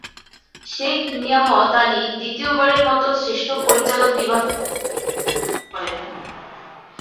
শেখ নিয়ামত আলী দ্বিতীয়বারের মত শ্রেষ্ঠ পরিচালক বিভাগে এই পুরস্কার অর্জন করেন।